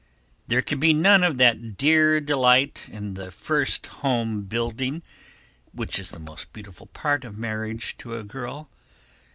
There can be none of that dear delight in the first home building, which is the most beautiful part of marriage to a girl.